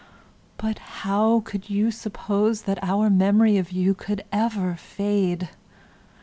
But how could you suppose that our memory of you could ever fade?